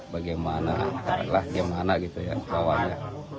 bagaimana lah gimana gitu ya awalnya